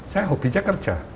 saya hobinya kerja